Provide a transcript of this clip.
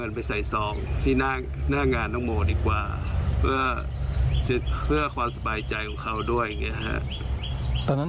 เด็กคนนี้จะมีช่วงเรื่องของเลี้ยง